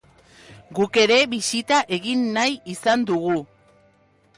Guk ere bisita egin nahi izan dugu.